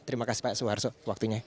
terima kasih pak soeharto waktunya